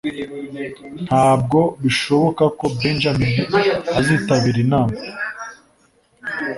Ntabwo bishoboka ko Benjamin azitabira inama.